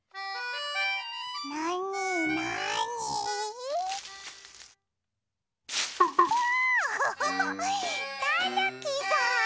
なになに？わアハハたぬきさん！